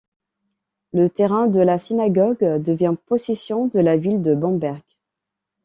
Le terrain de la synagogue devient possession de la ville de Bamberg.